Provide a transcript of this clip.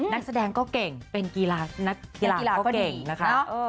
นักแสดงก็เก่งนักกีฬาก็เก่งนะคะ